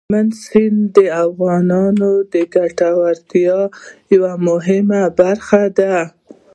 هلمند سیند د افغانانو د ګټورتیا یوه مهمه برخه ده.